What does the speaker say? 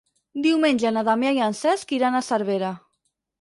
Diumenge na Damià i en Cesc iran a Cervera.